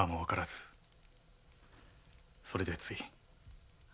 それでつい。